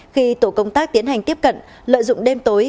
khi tổ công tác tiến hành tiếp cận lợi dụng đêm tối